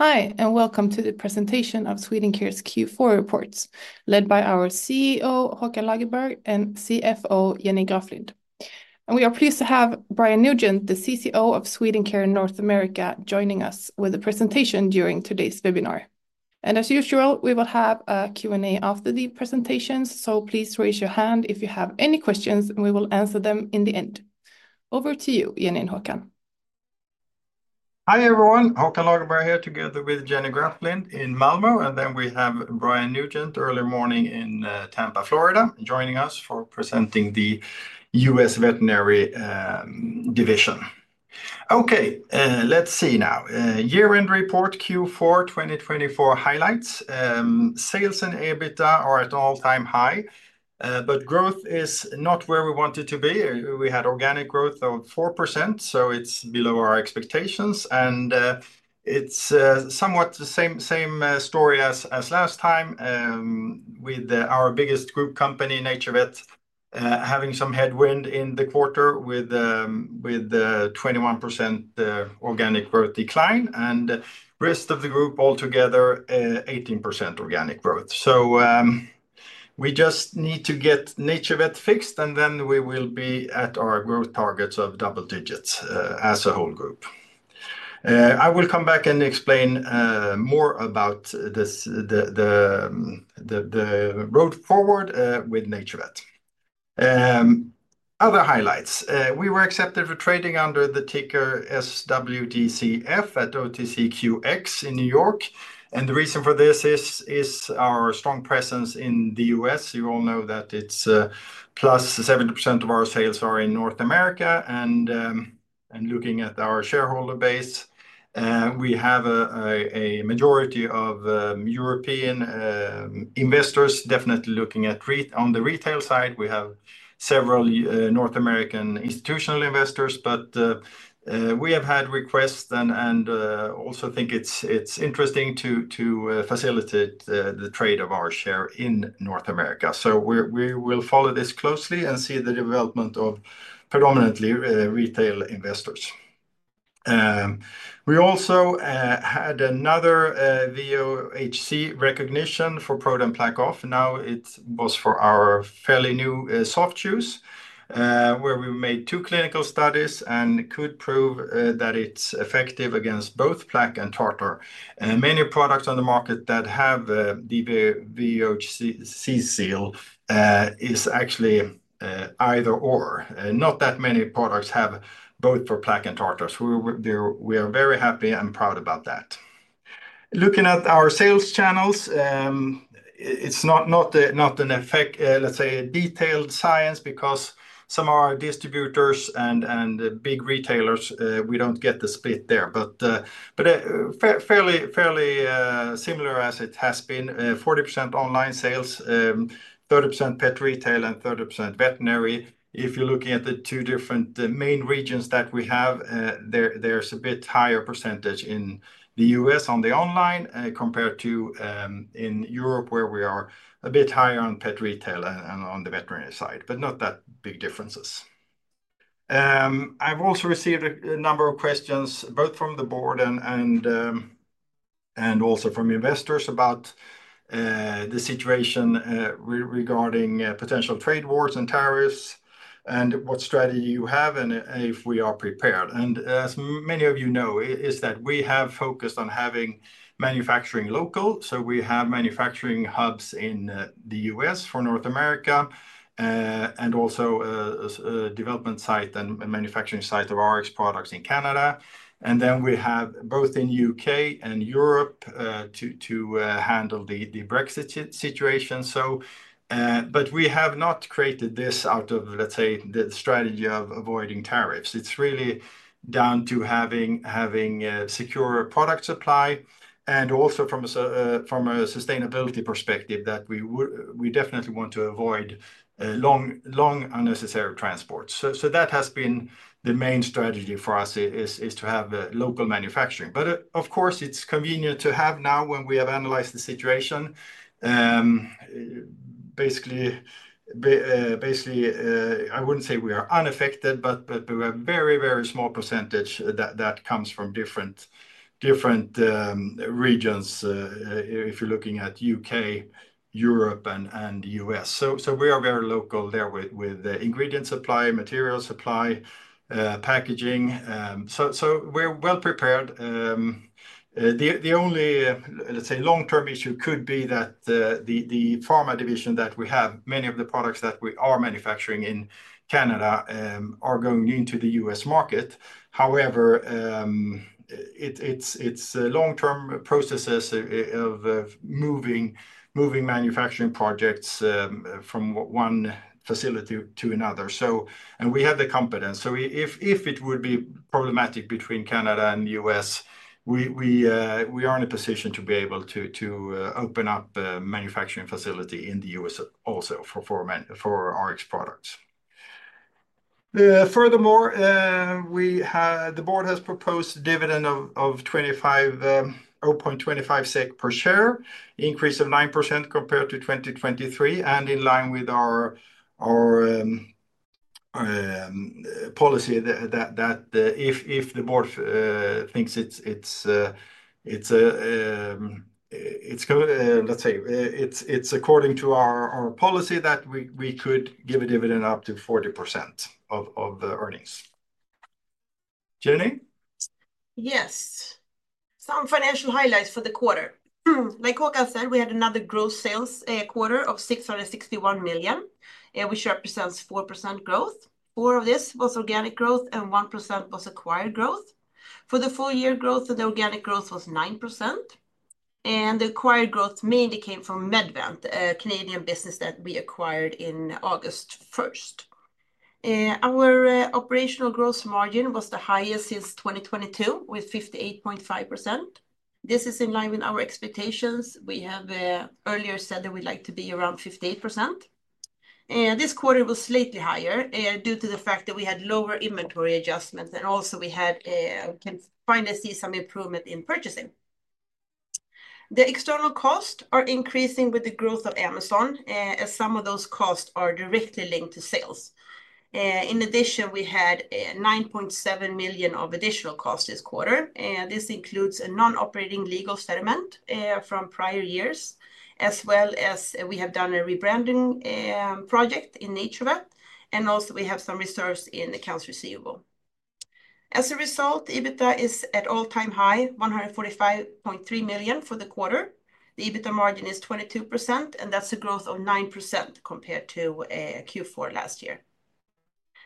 Hi and welcome to the presentation of Swedencare's Q4 Reports led by our CEO Håkan Lagerberg and CFO Jenny Graflind. We are pleased to have Brian Nugent, the CCO of Swedencare North America, joining us with a presentation during today's webinar. As usual we will have a Q&A after the presentations. Please raise your hand if you have any questions and we will answer them in the end. Over to you, Jenny and Håkan. Hi everyone. Håkan Lagerberg here together with Jenny Graflind in Malmö. Then we have Brian Nugent early morning in Tampa, Florida joining us for presenting the U.S. Veterinary Division. Okay, let's see now. Year End Report Q4 2024 Highlights Sales and EBITDA are at an all time high but growth is not where we wanted to be. We had organic growth of 4% so it's below our expectations. It's somewhat the same story as last time with our biggest group company NaturVet having some headwind in the quarter with 21% organic growth decline and rest of the group altogether 18% organic growth. We just need to get NaturVet fixed and then we will be at our growth targets of double digits as a whole group. I will come back and explain more about. The road forward with NaturVet. Other highlights we were accepted for trading under the ticker SWTCF on OTCQX in New York and the reason for this is our strong presence in the U.S. You all know that it's plus 70% of our sales are in North America and looking at our shareholder base we have a majority of European investors definitely looking at on the retail side we have several North American institutional investors but we have had requests and also think it's interesting to facilitate the trade of our share in North America, so we will follow this closely and see the development of predominantly retail investors. We also had another VOHC recognition for ProDen PlaqueOff. Now it was for our fairly new soft chews where we made two clinical studies and could prove that it's effective against both plaque and tartar. Many products on the market that have VOHC seal are actually either or not that many products have both for plaque and tartar. So we are very happy and proud about that. Looking at our sales channels it's not an exact, let's say a detailed science because some of our distributors and big retailers we don't get the split there but fairly similar as it has been 40% online sales, 30% pet retail and 30% veterinary. If you're looking at the two different main regions that we have, there's a bit higher percentage in the U.S. on the online compared to in Europe where we are a bit higher on pet retail and on the veterinary side but not that big differences. I've also received a number of questions both from the board. And also from investors about the situation regarding potential trade wars and tariffs and what strategy you have and if we are prepared. And as many of you know is that we have focused on having manufacturing local. So we have manufacturing hubs in the U.S. for North America and also development site and manufacturing site of Rx products in Canada and then we have both in U.K. and Europe to handle the Brexit situation. So but we have not created this out of let's say the strategy of avoiding tariffs. It's really down to having secure product supply and also from a sustainability perspective that we definitely want to avoid long unnecessary transports. So that has been the main strategy for us is to have local manufacturing. But of course it's convenient to have now when we have analyzed the situation. Basically. I wouldn't say we are unaffected but a very very small percentage that comes from different regions. If you're looking at U.K., Europe, and U.S., so we are very local there with ingredient supply, material supply, packaging, so we're well prepared. The only, let's say, long-term issue could be that the pharma division that we have many of the products that are manufacturing in Canada are going into the U.S. market. However it's long-term processes of moving manufacturing projects from one facility to another, and we have the competence so if it would be problematic between Canada and U.S. We are in a position to be able to open up manufacturing facility in the U.S. also for Rx products. Furthermore, the board has proposed a dividend of 0.25 SEK per share increase of 9% compared to 2023, and in line with our policy that if the board thinks. Let's say it's according to our policy that we could give a dividend up to 40% of the earnings. Jenny. Yes, some financial highlights for the quarter. Like Håkan said, we had another gross sales quarter of 661 million which represents 4% growth. 4% of this was organic growth and 1% was acquired growth for the full year growth. The organic growth was 9% and the acquired growth mainly came from MedVant, a Canadian business that we acquired in August 1st. Our operational gross margin was the highest since 2022 with 58.5%. This is in line with our expectations. We have earlier said that we'd like to be around 58% and this quarter was slightly higher due to the fact that we had lower inventory adjustments. Also we can finally see some improvement in purchasing. The external costs are increasing with the growth of Amazon as some of those costs are directly linked to sales. In addition, we had 9.7 million of additional costs this quarter, and this includes a non-operating legal settlement from prior years, as well as we have done a rebranding project in NaturVet, and also we have some reserves in accounts receivable. As a result, EBITDA is at all-time high 145.3 million for the quarter. The EBITDA margin is 22%, and that's a growth of 9% compared to Q4 last year.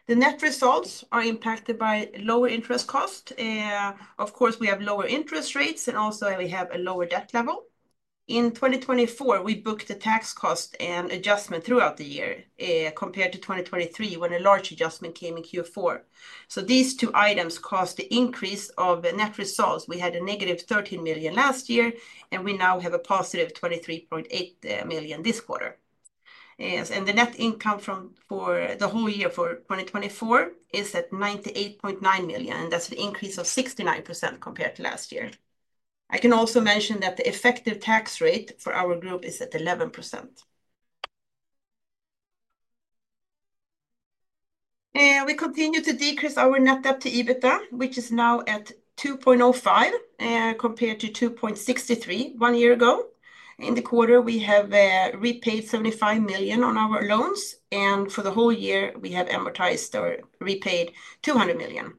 The net results are impacted by lower interest cost. Of course, we have lower interest rates, and also we have a lower debt level. In 2024, we booked the tax cost and adjustment throughout the year compared to 2023, when a large adjustment came in Q4. So, these two items caused the increase of net results. We had a negative 13 million last year, and we now have a positive 23.8 million this quarter. Yes, and the net income from for the whole year for 2024 is at 98.9 million and that's an increase of 69% compared to last year. I can also mention that the effective tax rate for our group is at 11%. We continue to decrease our net debt to EBITDA which is now at 2.05% compared to 2.63% one year ago. In the quarter we have repaid 75 million on our loans and for the whole year we have amortized or repaid 200 million.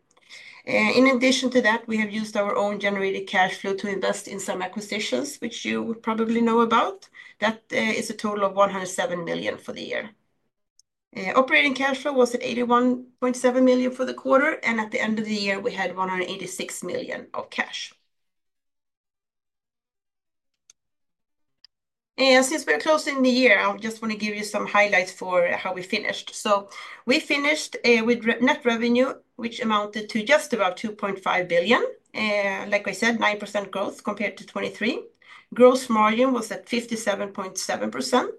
In addition to that we have used our own generated cash flow to invest in some acquisitions which you would probably know about. That is a total of 107 million for the year. Operating cash flow was at 81.7 million for the quarter and at the end of the year we had 186 million of cash. Since we're closing the year, I just want to give you some highlights for how we finished. We finished with net revenue which amounted to just about 2.5 billion. Like I said, 9% growth compared to 2023. Gross margin was at 57.7%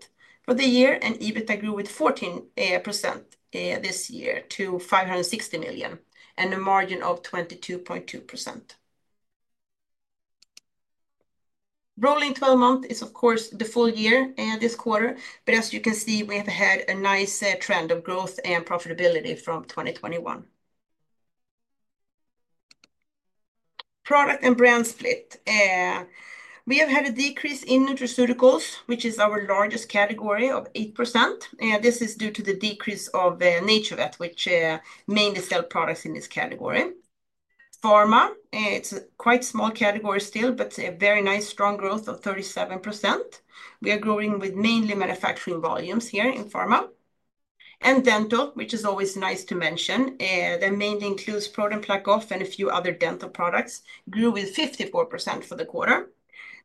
for the year and EBITDA grew with 14% this year to 560 million and a margin of 22.2%. Rolling 12-month is of course the full year and this quarter. But as you can see, we have had a nice trend of growth and profitability from 2021. Product and brand split, we have had a decrease in nutraceuticals, which is our largest category, of 8%, and this is due to the decrease of NaturVet, which mainly sell products in this category. Pharma, it's a quite small category still, but a very nice strong growth of 37%. We are growing with mainly manufacturing volumes here in pharma and dental, which is always nice to mention that mainly includes ProDen PlaqueOff and a few other dental products grew with 54% for the quarter.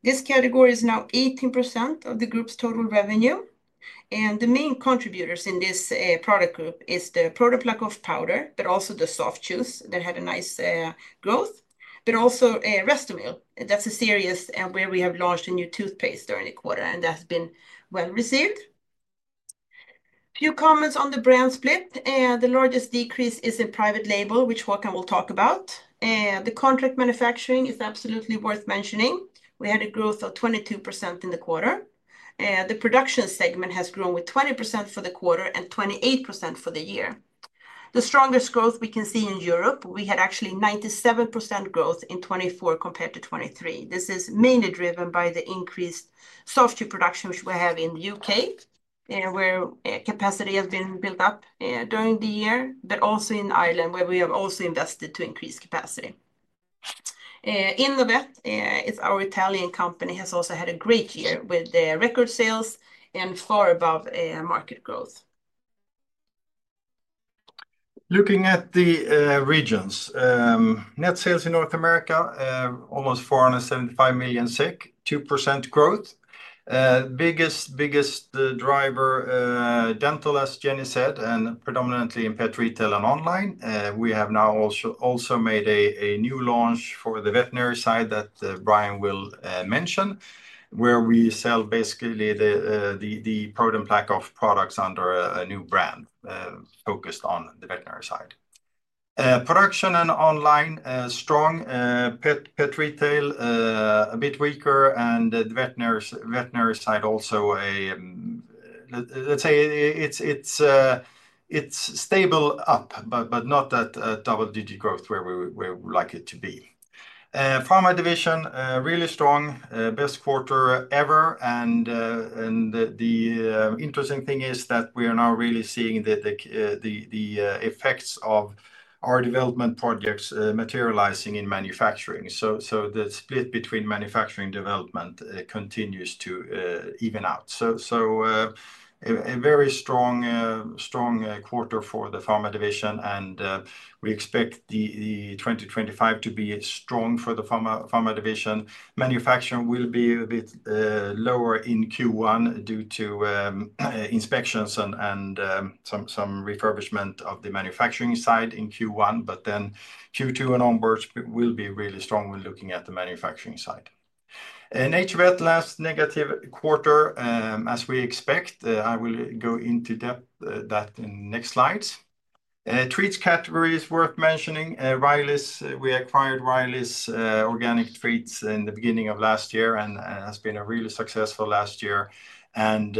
This category is now 18% of the group's total revenue, and the main contributors in this product group is the ProDen PlaqueOff powder, but also the soft chews that had a nice growth, but also Restomyl. That's a series where we have launched a new toothpaste during the quarter, and that's been well received. Few comments on the brand split. The largest decrease is in private label which Håkan will talk about. The contract manufacturing is absolutely worth mentioning. We had a growth of 22% in the quarter. The production segment has grown with 20% for the quarter and 28% for the year. The strongest growth we can see in Europe. We had actually 97% growth in 2024 compared to 2023. This is mainly driven by the increased soft chew production which we have in the U.K. where capacity has been built up during the year but also in Ireland where we have also invested to increase capacity. Our Italian company has also had a great year with their record sales and far above market growth. Looking at the region's net sales in North America, almost 475 million, 2% growth. Biggest, biggest driver dental as Jenny said and predominantly in pet retail and online. We have now also made a new launch for the veterinary side that Brian will mention where we sell basically the ProDen PlaqueOff products under a new brand focused on the veterinary side. Production and online strong, pet retail a bit weaker, and veterinary side also. Let'S say. It's stable up but not that double digit growth where we like it to be. Pharma division really strong, best quarter ever. And the interesting thing is that we are now really seeing the effects of our development projects materializing in manufacturing. So the split between manufacturing development continues to even out. So a very strong quarter for the pharma division and we expect the 2025 to be strong for the pharma division. Manufacturing will be a bit lower in Q1 due to inspections and some refurbishment of the manufacturing in Q1 but then Q2 and onwards will be really strong. When looking at the manufacturing side, NaturVet's last negative quarter as we expect. I will go into depth that in next slides. Treats categories worth mentioning Wireless. We acquired Riley's Organic Treats in the beginning of last year and has been a really successful last year and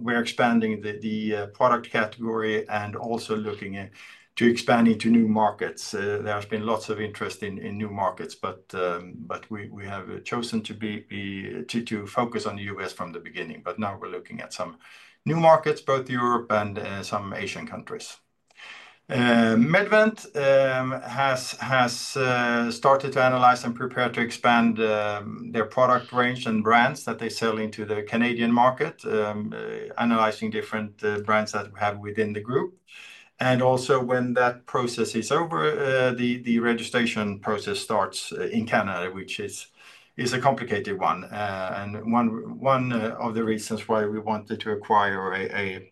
we're expanding the product category and also looking to expand into new markets. There's been a lot of interest in new markets but we have chosen to focus on the U.S. from the beginning. But now we're looking at some new markets, both Europe and some Asian countries. MedVant has started to analyze and prepare to expand their product range and brands that they sell into the Canadian market. Analyzing different brands that we have within the group and also, when that process is over, the registration process starts in Canada, which is a complicated one and one of the reasons why we wanted to acquire an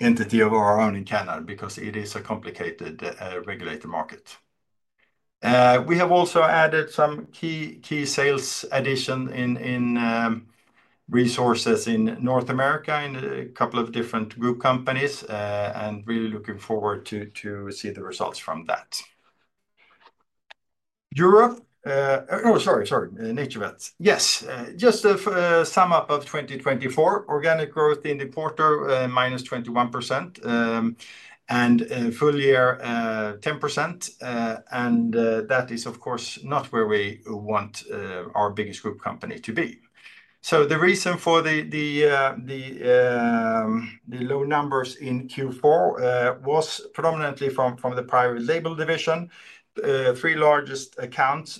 entity of our own in Canada because it is a complicated regulated market. We have also added some key sales addition in resources in North America in a couple of different group companies and really looking forward to see the results from that. NaturVet. Yes, just a sum up of 2024 organic growth in the quarter -21% and full year 10% and that is of course not where we want our biggest group company to be. So the reason for the low numbers in Q4 was predominantly from the private label. Three largest accounts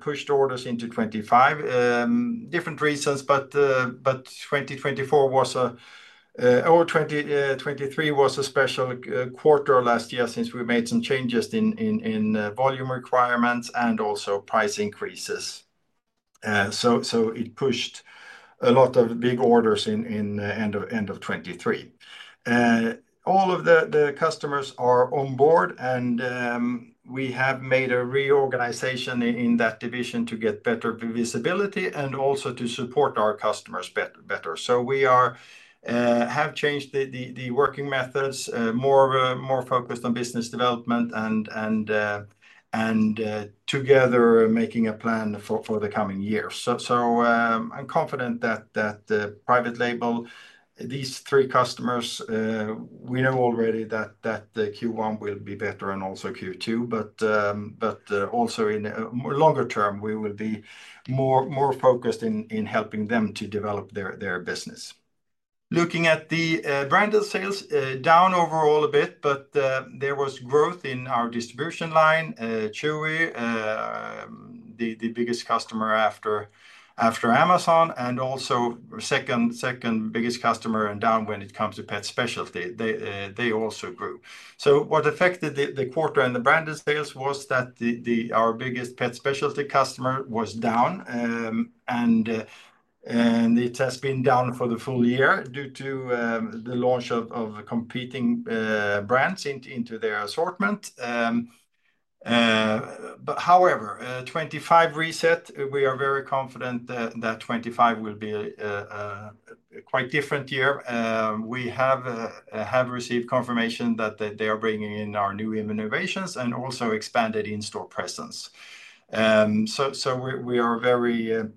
pushed orders into 2025 different reasons but 2024 was a over 2023 was a special quarter last year since we made some changes in volume requirements and also price increases. So it pushed a lot of big orders in the end of 2023. All of the customers are on board and we have made a reorganization in that division to get better visibility and also to support our customers better. So we have changed the working methods more focused on business development. And, together, making a plan for the coming years. So, I'm confident that private label these three customers we know already that Q1 will be better and also Q2 but also in longer term we will be more focused in helping them to develop their business. Looking at the branded sales down overall a bit. But there was growth in our distribution line. Chewy, the biggest customer after Amazon and also second biggest customer was down when it comes to pet specialty. They also grew. So what affected the quarter and the branded sales was that our biggest pet specialty customer was down and it has been down for the full year due to the launch of competing brands into their assortment. However, 2025. Yes, we are very confident that 2025 will be quite different. Here we have received confirmation that they are bringing in our new innovations and also expanded in-store presence. So we are very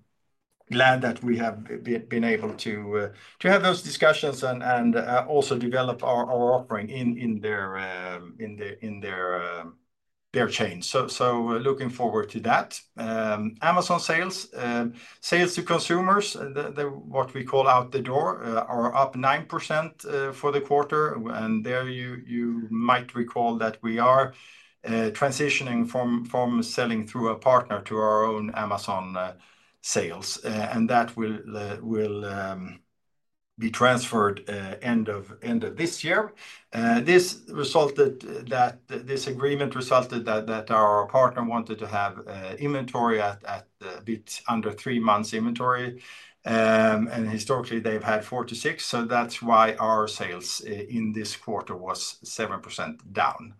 glad that we have been able to have those discussions and also develop our offering in their chain. So looking forward to that. Amazon sales, sales to consumers, what we call out the door are up 9% for the quarter and there you might recall that we are transitioning from selling through a partner to our own Amazon sales and that will be transferred end of this year. This resulted that our partner wanted to have inventory at a bit under three months' inventory and historically they've had four to six, so that's why our sales in this quarter was 7% down.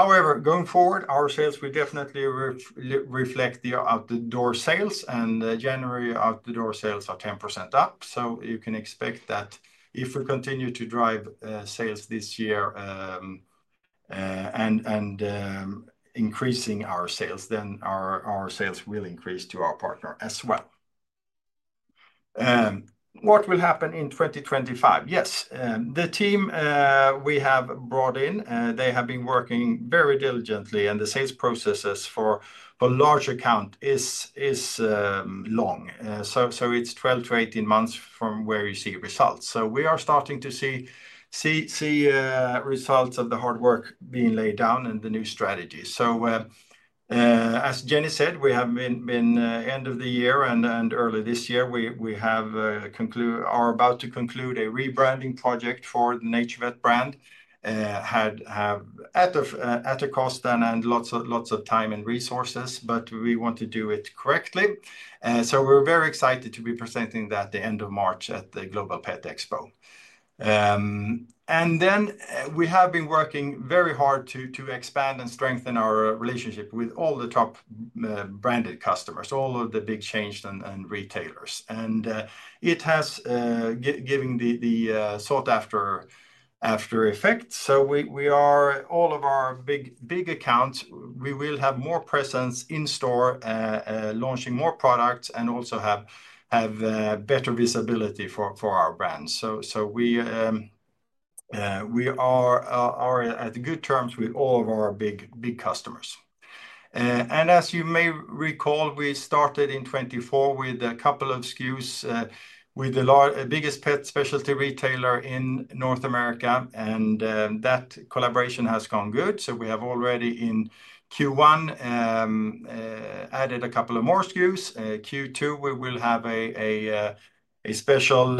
However, going forward our sales will definitely reflect the out-the-door sales and January out-the-door sales are 10% up, so you can expect that if we continue to drive sales this year increasing our sales, then our sales will increase to our partner as well. What will happen in 2025? Yes, the team we have brought in they have been working very diligently and the sales processes for large account is long. So it's 12- 8 months from where you see results. So we are starting to see results of the hard work being laid down and the new strategy. So as Jenny said, at the end of the year and early this year we have concluded or are about to conclude a rebranding project for the NaturVet brand that has cost a lot of time and resources but we want to do it correctly. So we're very excited to be presenting that at the end of March at the Global Pet Expo. And then we have been working very hard to expand and strengthen our relationship with all the top branded customers, all of the big chains and retailers, and it has given the sought-after effect. So, in all of our big accounts, we will have more presence in store, launching more products, and also have better visibility for our brands. So we are at good terms with all of our big customers, and as you may recall, we started in 2024 with a couple of SKUs with the biggest pet specialty retailer in North America, and that collaboration has gone good. So we have already in Q1 added a couple of more SKUs. Q2 we will have a special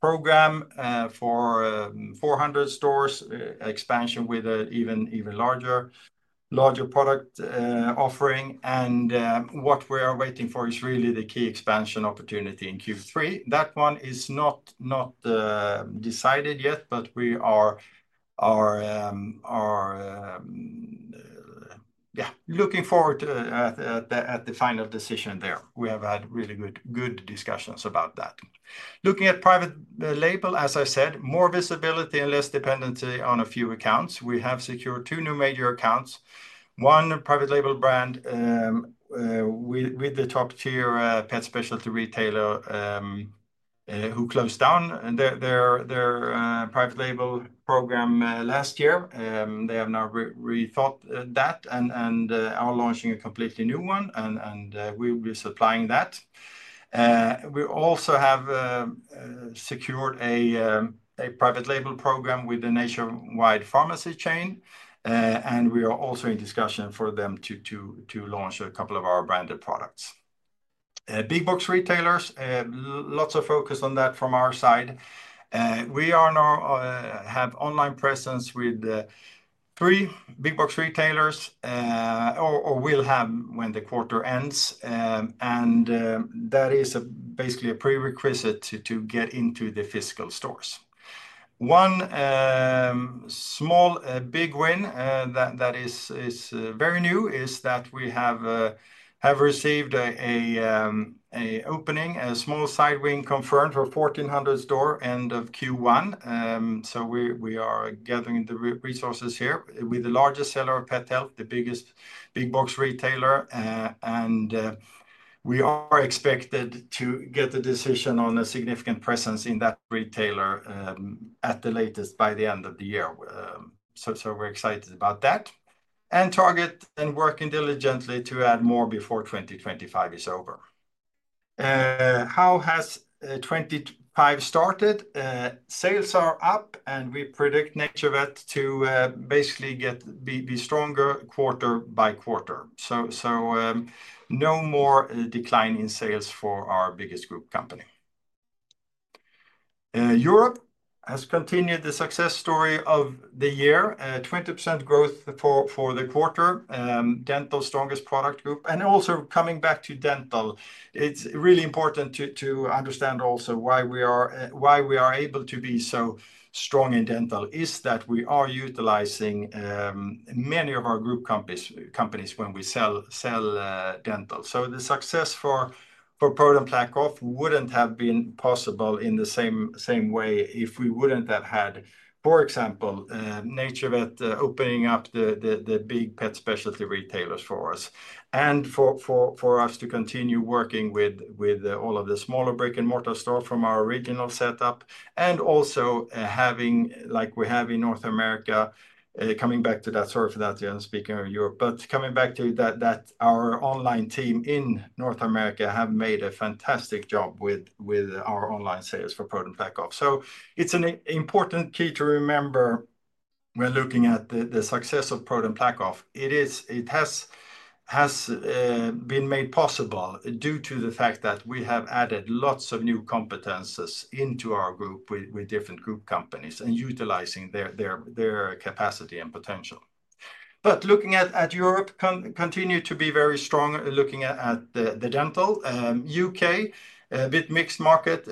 program for 400 stores expansion with an even larger product offering and what we are waiting for is really the key expansion opportunity in Q3. That one is not decided yet but we are. Yeah, looking forward to the final decision there. We have had really good discussions about that, looking at private label. As I said, more visibility and less dependency on a few accounts. We have secured two new major accounts. One private label brand with the top-tier pet specialty retailer who closed down their private label program last year. They have now rethought that and are launching a completely new one and we will be supplying that. We also have secured a private label program with the nationwide pharmacy chain and we are also in discussion for them to launch a couple of our branded products. Big box retailers, lots of focus on that. From our side we have online presence with three big box retailers or will have when the quarter ends and that is basically a prerequisite to get into the physical stores. One small big win that is very new is that we have received an opening of a small side wing confirmed for 1,400 stores end of Q1, so we are gathering the resources here with the largest seller of pet health, the biggest big box retailer, and we are expected to get the decision on a significant presence in that retailer at the latest by the end of the year, so we're excited about that and Target and working diligently to add more before 2025 is over. How has 2025 started? Sales are up and we predict NaturVet to basically be stronger quarter by quarter, so no more decline in sales for our biggest group company. Europe has continued the success story of the year. 20% growth for the quarter dental strongest product group. Also coming back to dental. It's really important to understand also why we are able to be so strong in dental is that we are utilizing many of our group companies when we sell dental. So the success for ProDen PlaqueOff wouldn't have been possible in the same way if we wouldn't have had for example NaturVet opening up the big pet specialty retailers for us and for us to continue working with all of the smaller brick and mortar store from our original setup and also having like we have in North America. Coming back to that. Sorry for that, speaking of Europe, but coming back to that, our online team in North America have made a fantastic job with our online sales for ProDen PlaqueOff. So it's an important key to remember when looking at the success of ProDen PlaqueOff. It has been made possible due to the fact that we have added lots of new competences into our group with different group companies and utilizing their capacity and potential. But looking at Europe continue to be very strong. Looking at the dental U.K. a bit mixed market,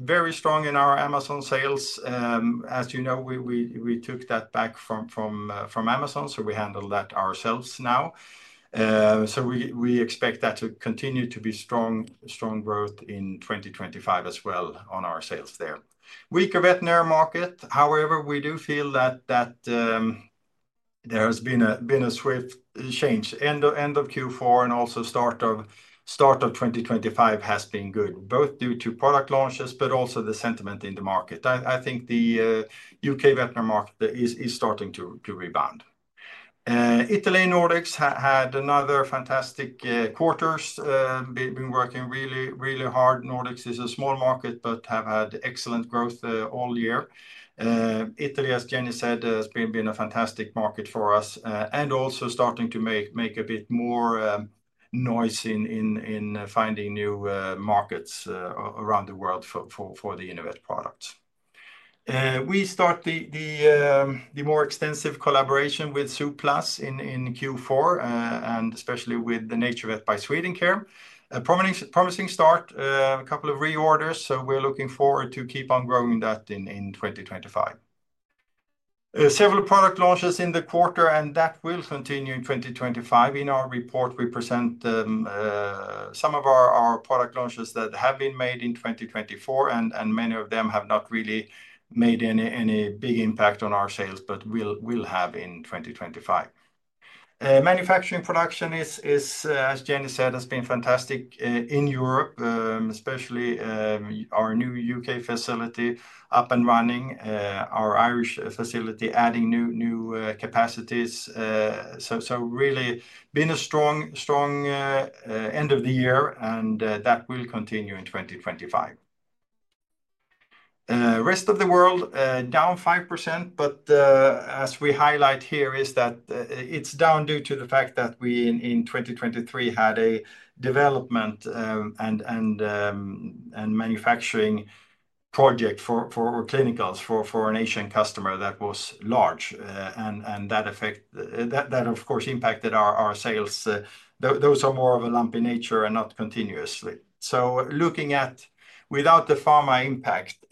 very strong in our Amazon sales. As you know we took that back from Amazon so we handle that ourselves now. So we expect that to continue to be strong growth in 2025 as well on our sales there. Weaker veterinary market. However we do feel that. There has been a swift change. End of Q4 and also start of 2025 has been good both due to product launches but also the sentiment in the market. I think the U.K. veterinary market is starting to rebound. Italy Nordics had another fantastic quarters been working really really hard. Nordics is a small market but have had excellent growth all year. Italy as Jenny said has been a fantastic market for us. Starting to make a bit more noise in finding new markets around the world for the Innovet products. We start the more extensive collaboration with Zooplus in Q4 and especially with the NaturVet by Swedencare. A promising start, a couple of reorders so we're looking forward to keep on growing that in 2025. Several product launches in the quarter and that will continue in 2025. In our report we present some of our product launches that have been made in 2024 and many of them have not really made any big impact on our sales but will have in 2025. Manufacturing production as Jenny said has been fantastic in Europe especially our new U.K. facility up and running, our Irish facility adding new capacities, so really been a strong end of the year and that will continue in 2025. Rest of the world down 5%, but as we highlight here, is that it's down due to the fact that we in 2023 had a development. Manufacturing project for clinicals for an Asian customer that was large and that of course impacted our sales. Those are more of a lumpy nature and not continuously, so looking at without the pharma impact,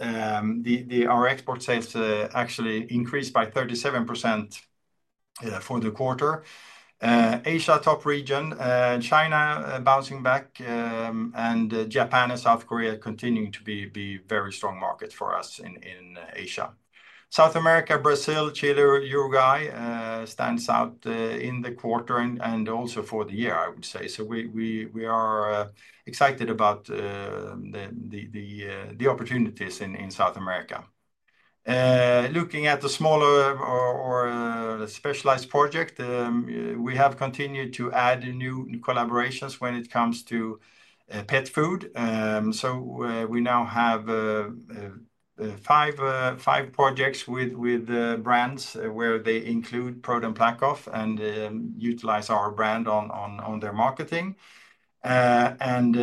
our export sales actually increased by 37% for the quarter. Asia top region, China bouncing back and Japan and South Korea continuing to be very strong market for us in Asia. South America, Brazil, Chile, Uruguay stands out in the quarter and also for the year I would say. We are excited about the opportunities in South America. Looking at the smaller or specialized project, we have continued to add new collaborations when it comes to pet food, so we now have five projects with brands where they include ProDen PlaqueOff and utilize our brand on their marketing and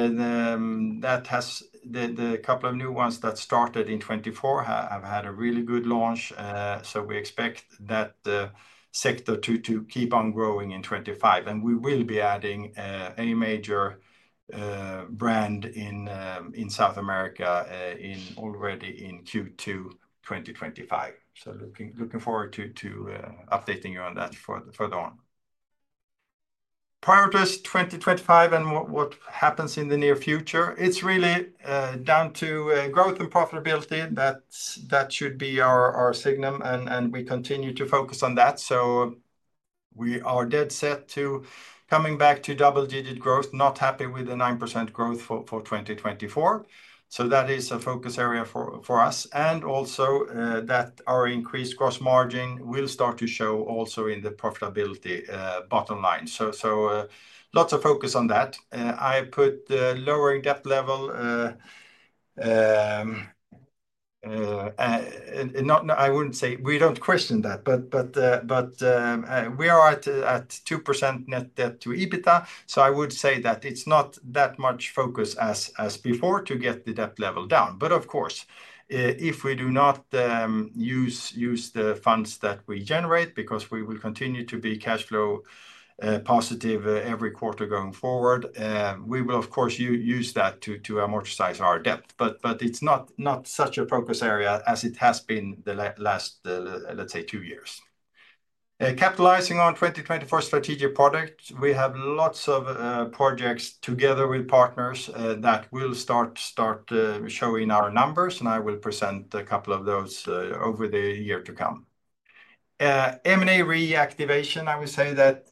that has the couple of new ones that started in 2024 have had a really good launch so we expect that sector to keep on growing in 2025 and we will be adding a major brand in South America already in Q2 2025. So looking forward to updating you on that for further on. Priorities 2025 and what happens in the near future. It's really down to growth and profitability. That should be our signum and we continue to focus on that, so we are dead set to coming back to double digit growth. Not happy with the 9% growth for 2024, so that is a focus area for us and also that our increased gross margin will start to show also in the profitability bottom line, so lots of focus on that. I put the lowering debt level. I wouldn't say we don't question that but we are at 2% net debt to EBITDA. So I would say that it's not that much focus as before to get the debt. If we do not use the funds that we generate because we will continue to be cash flow positive every quarter going forward. We will of course use that to amortize our debt but it's not such a focus area as it has been the last let's say two years. Capitalizing on 2024 strategic project, we have lots of projects together with partners that will start showing our numbers and I will present a couple of over the year to come M&A reactivation. I would say that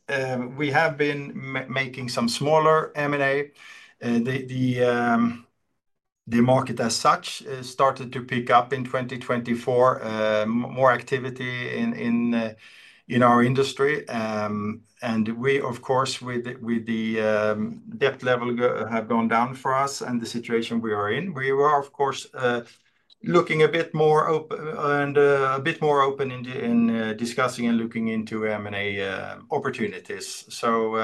we have been making some smaller M&A. The market as such started to pick up in 2024. More activity in our industry and we of course with the debt level have gone down for us and the situation we are in. We were of course looking a bit more open in discussing and looking into M&A opportunities. So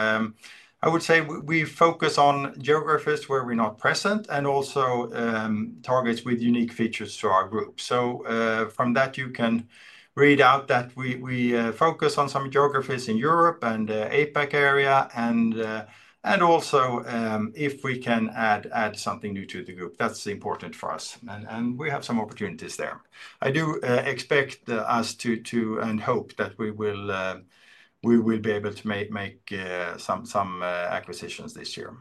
I would say we focus on geographies where we're not present and also targets with unique features to our group. So from that you can read out that we focus on some geographies in Europe and APAC area and also if we can add something new to the group that's important for us and we have some opportunities there. I do expect us to and hope that we will be able to make some acquisitions this year.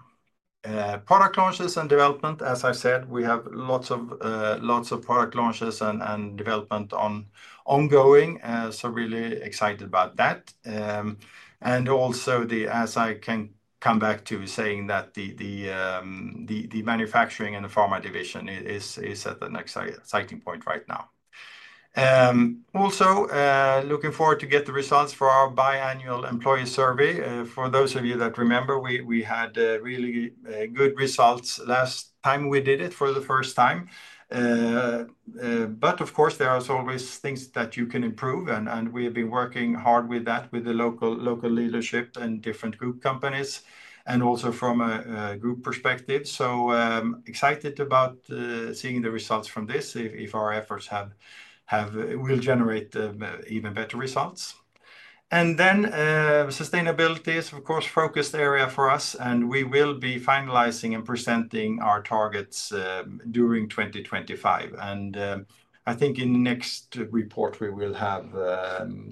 Product launches and development. As I said we have lots of product launches and development ongoing. So really excited about that. And also as I can come back to saying that the manufacturing and the pharma division is at the next cycle point right now. Also looking forward to get the results for our biannual employee survey. For those of you that remember we had really good results last time we did it for the first time. But of course there are always things that you can improve and we have been working hard with that with the local leadership and different group companies and also from a group perspective, so excited about seeing the results from this, if our efforts will generate even better results and then sustainability is of course focused area for us. And we will be finalizing and presenting our targets during 2025. And I think in the next report we will have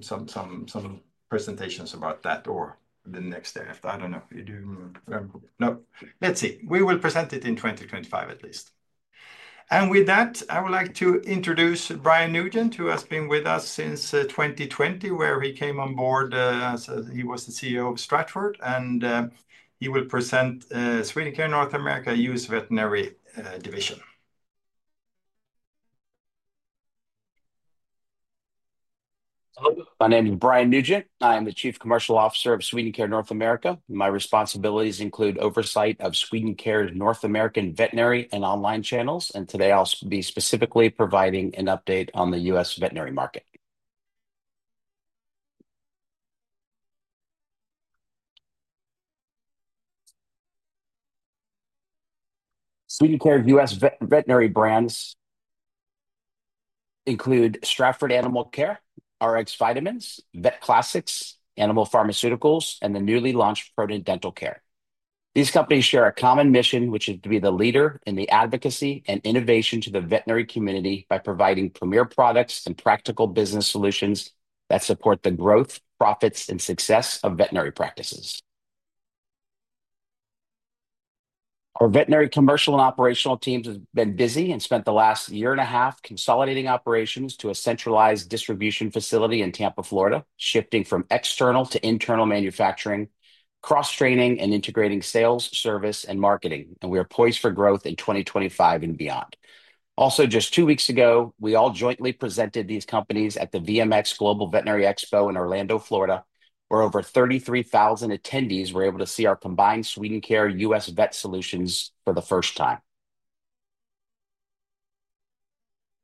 some presentations about that or the next draft. I don't know. You do? No. Let's see. We will present it in 2025 at least, and with that I would like to introduce Brian Nugent, who has been with us since 2020 where he came on board. He was the CEO of Stratford, and he will present Swedencare North America U.S. Veterinary Division. Hello, my name is Brian Nugent. I am the Chief Commercial Officer of Swedencare North America. My responsibilities include oversight of Swedencare American veterinary and online channels, and today I'll be specifically providing an update on the U.S. veterinary market. Swedencare U.S. Veterinary brands include Stratford Animal Care, Rx Vitamins, Vet Classics, Animal Pharmaceuticals and the newly launched ProDen Dental Care. These companies share a common mission which is to be the leader in the advocacy and innovation to the veterinary community by providing premier products and practical business solutions that support the growth, profits and success of veterinary practices. Our veterinary commercial and operational teams have been busy and spent the last year and a half consolidating operations to a centralized distribution facility in Tampa, Florida, shifting from external to internal manufacturing, cross training and integrating sales, service and marketing. We are poised for growth in 2025 and beyond. Also, just two weeks ago, we all jointly presented these companies at the VMX Global Veterinary Expo in Orlando, Florida where over 33,000 attendees were able to see our combined Swedencare U.S. vet solutions for the first time.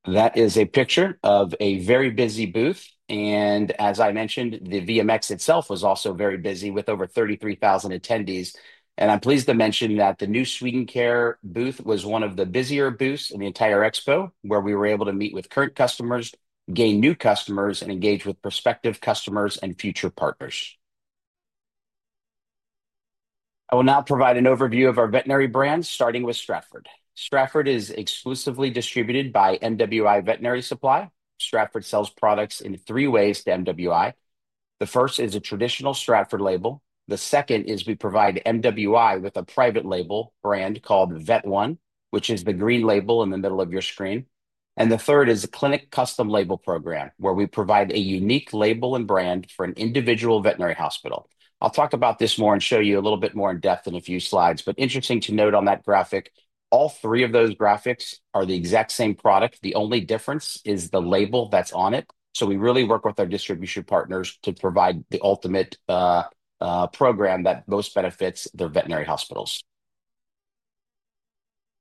That is a picture of a very busy booth. And as I mentioned, the VMX itself was also very busy with over 33,000 attendees. And I'm pleased to mention that the new Swedencare booth was one of the busier booths in the entire expo where we were able to meet with current customers, gain new customers and engage with prospective customers and future partners. I will now provide an overview of our veterinary brands starting with Stratford. Stratford is exclusively distributed by MWI Veterinary Supply. Stratford sells products in three ways to MWI. The first is a traditional Stratford label. The second is we provide MWI with a private label brand called VetOne, which is the green label in the middle of your screen. And the third is the Clinic Custom Label program where we provide a unique label and brand for an individual veterinary hospital. I'll talk about this more and show you a little bit more in depth in a few slides. But interesting to note on that graphic, all three of those graphics are the exact same product. The only difference is the label that's on it. So we really work with our distribution partners to provide the ultimate program that most benefits their veterinary hospitals.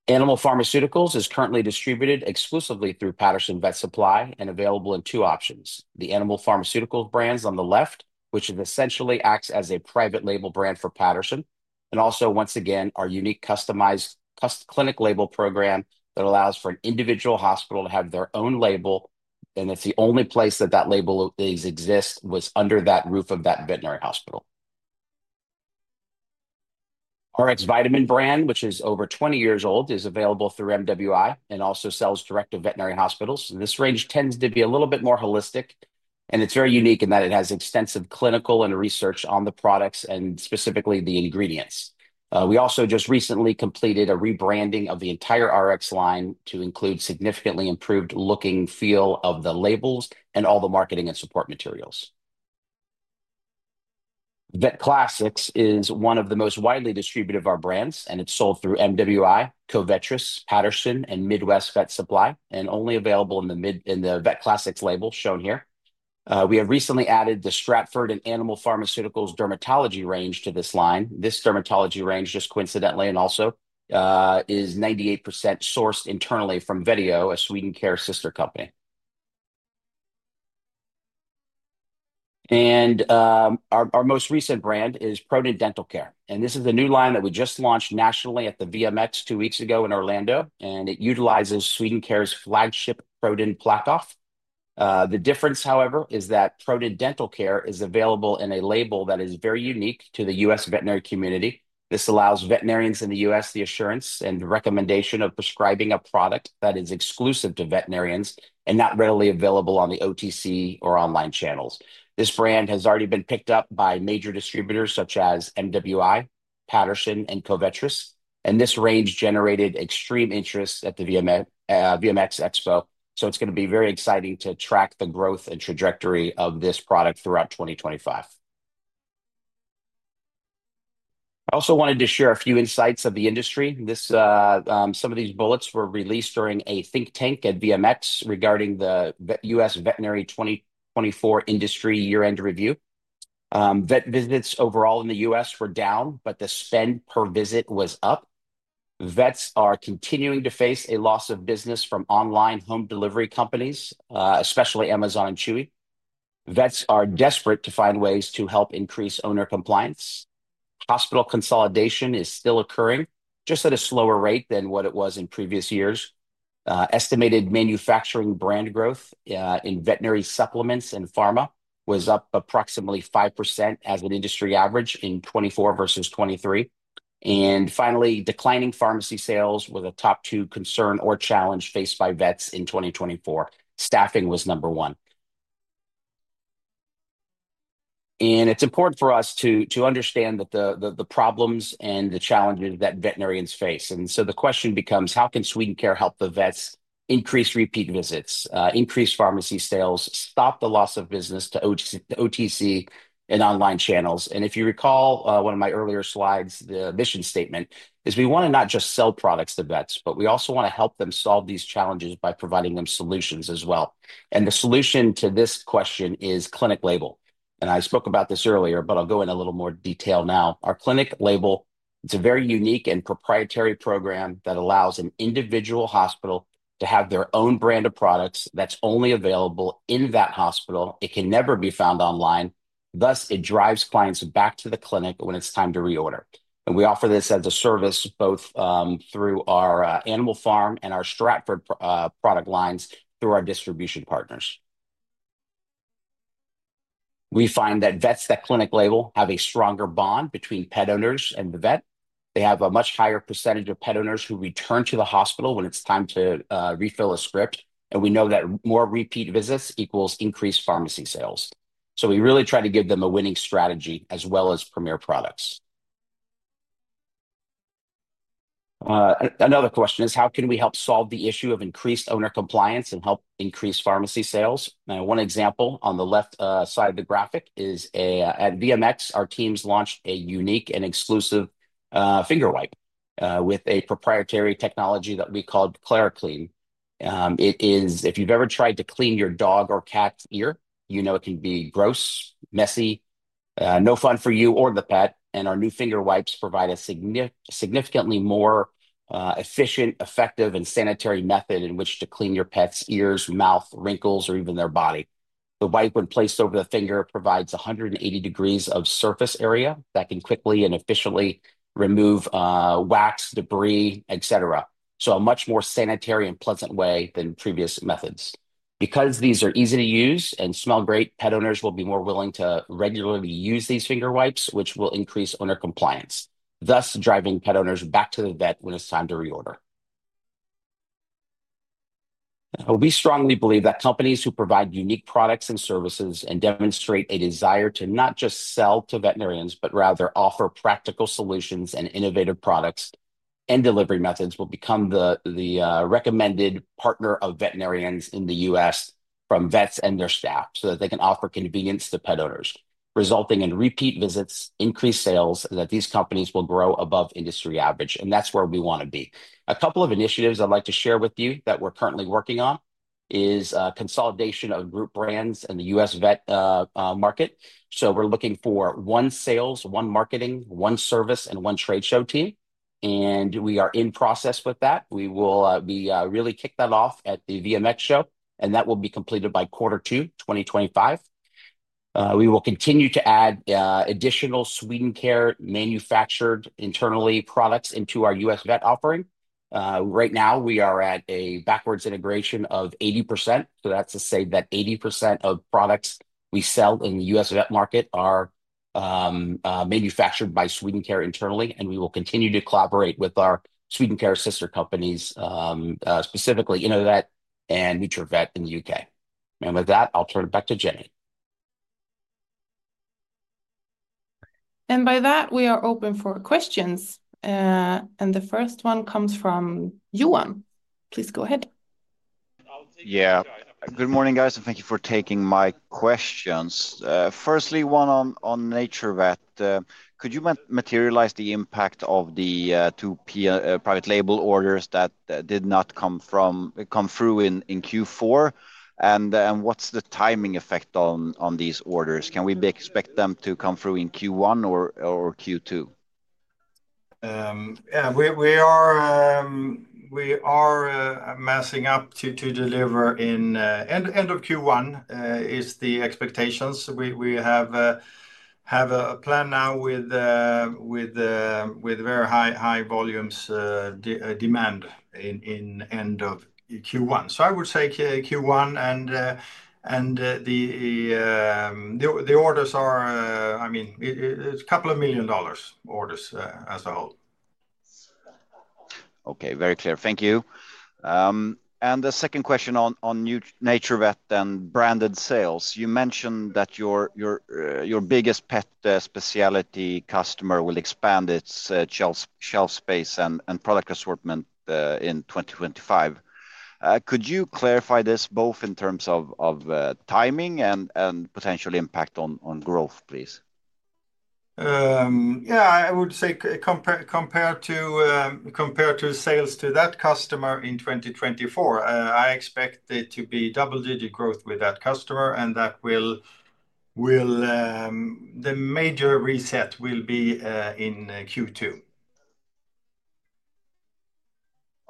Animal Pharmaceuticals is currently distributed exclusively through Patterson Veterinary Supply and available in two options, the Animal Pharmaceuticals brands on the left, which essentially acts as a private label brand for Patterson and also once again our unique customized custom clinic label program that allows for an individual hospital to have their own label and it's the only place that that label exists was under that roof of that veterinary hospital. Rx Vitamins brand, which is over 20 years old, is available through MWI and also sells direct to veterinary hospitals. This range tends to be a little bit more holistic and it's very unique in that it has extensive clinical and research on the products and specifically the ingredients. We also just recently completed a rebranding of the entire Rx line to include significantly improved looking feel of the labels and all the marketing and support materials. Vet Classics is one of the most widely distributed of our brands and it's sold through MWI, Covetrus, Patterson and Midwest Veterinary Supply and only available in the U.S. in the Vet Classics label shown here. We have recently added the Stratford and Animal Pharmaceuticals dermatology range to this line. This dermatology range just coincidentally and also is 98% sourced internally fro`m Vetio, a Swedencare sister company. Our most recent brand is ProDen Dental Care, and this is the new line that we just launched nationally at the VMX two weeks ago in Orlando, and it utilizes Swedencare's flagship ProDen PlaqueOff. The difference, however, is that ProDen Dental Care is available in a label that is very unique to the U.S. veterinary community. This allows veterinarians in the U.S. the assurance and recommendation of prescribing a product that is exclusive to veterinarians and not readily available on the OTC or online channels. This brand has already been picked up by major distributors such as MWI, Patterson, and Covetrus, and this range generated extreme interest at the VMX Expo. It's going to be very exciting to track the growth and trajectory of this product throughout 2025. I also wanted to share a few insights of the industry. This some of these bullets were released during a think tank at VMX regarding the U.S. Veterinary 2024 industry year-end review. Vet visits overall in the U.S. were down, but the spend per visit was up. Vets are continuing to face a loss of business from online home delivery companies, especially Amazon and Chewy. Vets are desperate to find ways to help increase owner compliance. Hospital consolidation is still occurring, just at a slower rate than what it was in previous years. Estimated manufacturing brand growth in veterinary supplements and pharma was up approximately 5% as an industry average in 2024 versus 2023. Finally, declining pharmacy sales were the top two concern or challenge faced by vets in 2024. Staffing was number one. It's important for us to understand the problems and the challenges that veterinarians face. The question becomes how can Swedencare help the vets, increase repeat visits, increase pharmacy sales, stop the loss of business to OTC and online channels? If you recall one of my earlier slides, the mission statement is we want to not just sell products to vets, but we also want to help them solve these challenges by providing them solutions as well as, and the solution to this question is Clinic Label. I spoke about this earlier, but I'll go in a little more detail now. Our Clinic Label is a very unique and proprietary program that allows an individual hospital to have their own brand of products that's only available in that hospital. It can never be found online. Thus it drives clients back to the clinic when it's time to reorder. And we offer this as a service both through our Animal Pharmaceuticals and our Stratford Animal Care product lines through our distribution partners. We find that vets that private label have a stronger bond between pet owners and the vet. They have a much higher percentage of pet owners who return to the hospital when it's time to refill a script. And we know that more repeat visits equals increased pharmacy sales. So we really try to give them a winning strategy as well as premier products. Another question is how can we help solve the issue of increased owner compliance and help increase pharmacy sales now? One example on the left side of the graphic is at VMX. Our teams launched a unique and exclusive finger wipe with a proprietary technology that we called KeraKleen. It is, if you've ever tried to clean your dog or cat's ear, you know it can be gross, messy, no fun for you or the pet. Our new finger wipes provide a significantly more efficient, effective and sanitary method in which to clean your pet's ears, mouth, wrinkles or even their body. The wipe, when placed over the finger, provides 180 degrees of surface area that can quickly and efficiently remove wax, debris, etc. It is a much more sanitary and pleasant way than previous methods. Because these are easy to use and smell great, pet owners will be more willing to regularly use these finger wipes, which will increase owner compliance, thus driving pet owners back to the vet when it's time to reorder. We strongly believe that companies who provide unique products and services and demonstrate a desire to not just sell to veterinarians, but rather offer practical solutions and innovative products and delivery methods will become the recommended partner of veterinarians in the U.S. from vets and their staff so that they can offer convenience to pet owners, resulting in repeat visits, increased sales. That these companies will grow above industry average, and that's where we want to be. A couple of initiatives I'd like to share with you that we're currently working on is consolidation of group brands and the U.S. vet market, so we're looking for one sales, one marketing, one service and one trade show team. And we are in process with that. We will be really kick that off at the VMX show and that will be completed by quarter two, 2025. We will continue to add additional Swedencare manufactured internally products into our U.S. vet offering. Right now we are at a backwards integration of 80%. So that's to say that 80% of products we sell in the U.S. vet market are manufactured by Swedencare internally. And we will continue to collaborate with our Swedencare sister companies, specifically Nutravet and NaturVet in the U.K. And with that I'll turn it back to Jenny. And by that we are open for questions and the first one comes from Johan. Please go ahead. Yeah, good morning guys and thank you for taking my questions. Firstly, one on NaturVet, could you materialize the impact of the two private label orders that did not come through in Q4? And what's the timing effect on these orders? Can we expect them to come through in Q1 or Q2? We are messing up to deliver in end of Q1 is the expectations. We have a plan now with very high volumes demand in end of Q1, so I would say Q1 and the orders are. I mean, it's couple million dollar orders as a whole. Okay, very clear, thank you. And the second question on NaturVet and branded sales, you mentioned that your biggest pet specialty customer will expand its shelf space and product assortment in 2025. Could you clarify this both in terms of timing and potential impact on growth, please? Yeah, I would say. Compared to sales to that customer in 2024, I expect it to be double-digit growth with that customer and that will. The major reset will be in Q2.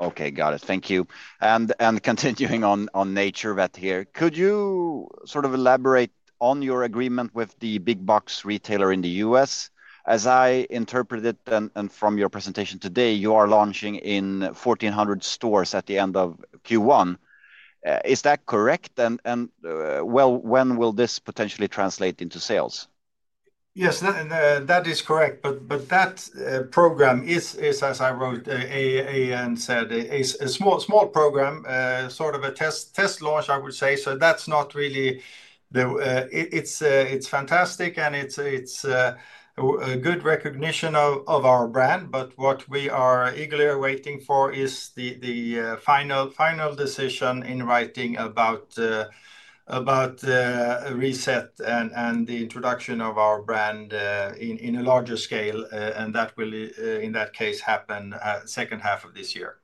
Okay, got it, thank you. And continuing on NaturVet here, could you sort of elaborate on your agreement with the big box retailer in the U.S. As I interpreted and from your presentation today, you are launching in 1,400 stores at the end of Q1, is that correct? And well, when will this potentially translate into sales? Yes, that is correct. But that program is, as I wrote and said, a small program, sort of a test launch I would say. So that's not really. It's fantastic and it's a good recognition of our brand. But what we are eagerly waiting for is the final decision in writing about reset and the introduction of our brand in a larger scale. And that will in that case happen second half of this year.